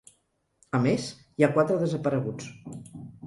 A més, hi ha quatre desapareguts.